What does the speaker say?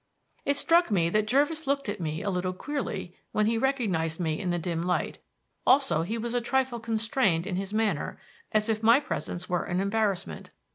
It struck me that Jervis looked at me a little queerly when he recognized me in the dim light; also he was a trifle constrained in his manner, as if my presence were an embarrassment.